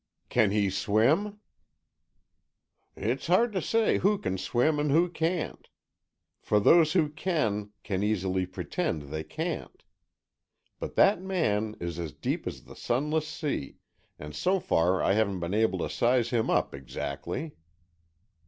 "Can he swim?" "It's hard to say who can swim and who can't. For those who can, can easily pretend they can't. But that man is as deep as the Sunless Sea, and so far I haven't been able to size him up exactly."